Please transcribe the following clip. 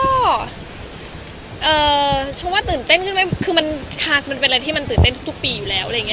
ก็ชมว่าตื่นเต้นขึ้นไหมคือมันคาสมันเป็นอะไรที่มันตื่นเต้นทุกปีอยู่แล้วอะไรอย่างนี้